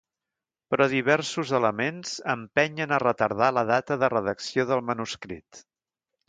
Però diversos elements empenyen a retardar la data de redacció del manuscrit.